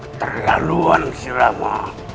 keterlaluan sih rama